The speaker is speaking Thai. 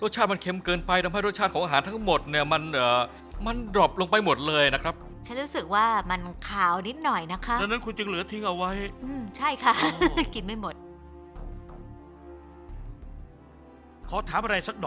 ใช่แหละค่ะเอ่อใช่ค่ะแปปนึงนะคะดังนั้นคุณต้องทอดให้ดูมีสีสัน